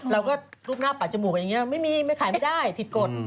รูปหน้าปัดจมูกอย่างนี้ไม่มีไม่ขายไม่ได้ผิดกฎ